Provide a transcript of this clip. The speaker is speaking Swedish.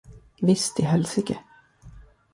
Visst i helsike!